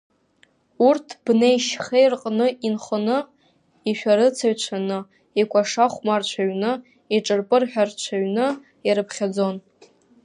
Урҭ бнеи-шьхеи рҟны инхоны, ишәарыцаҩцәаны, икәаша-хәмарцәаҩны, иҿырпынарҳәаҩцәаны ирԥхьаӡон.